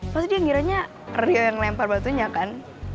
pasti dia ngiranya rio yang lempar batunya kan